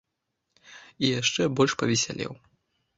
І яшчэ больш павесялеў.